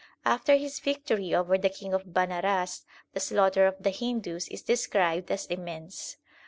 After his victory over the King of Banaras the slaughter of the Hindus is described as immense.